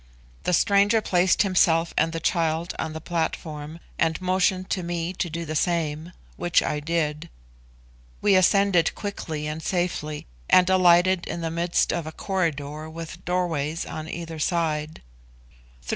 The stranger placed himself and the child on the platform, and motioned to me to do the same, which I did. We ascended quickly and safely, and alighted in the midst of a corridor with doorways on either side.